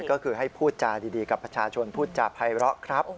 ก็คือให้พูดจาดีกับประชาชนพูดจาภัยเลาะครับ